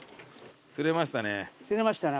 釣れましたね。